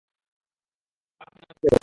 পার থেকে নামাতে হবে।